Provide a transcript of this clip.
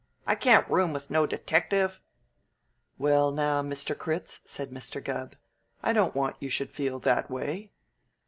I can't room with no detective." "Well, now, Mr. Critz," said Mr. Gubb, "I don't want you should feel that way."